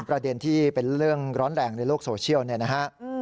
ประเด็นที่เป็นเรื่องร้อนแรงในโลกโซเชียลเนี่ยนะฮะ